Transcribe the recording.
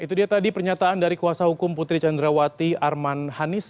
itu dia tadi pernyataan dari kuasa hukum putri candrawati arman hanis